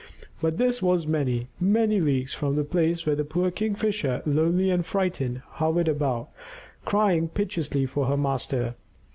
But this was many, many leagues from the place where the poor Kingfisher, lonely and frightened, hovered about, crying piteously for her master.